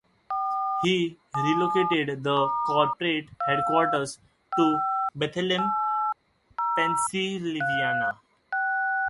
He relocated the corporate headquarters to Bethlehem, Pennsylvania.